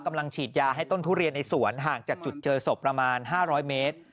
กำลังฉีดยาให้ต้นทุเรียนในสวนห่างจากจุดเจอศพประมาณ๕๐๐เมตร